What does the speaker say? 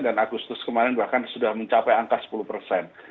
dan agustus kemarin bahkan sudah mencapai angka sepuluh persen